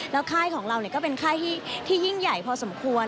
แล้วค่ายของเราก็เป็นค่ายที่ยิ่งใหญ่พอสมควร